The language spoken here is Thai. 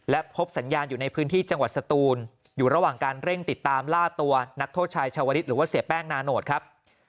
และพบสัญญาณอยู่ในพื้นที่จังหวัดสตูนอยู่ระหว่างการเร่งติดตามล่าตัวนักโทษชายชาวลิศหรือว่าเสียแป้งนาโนตครับ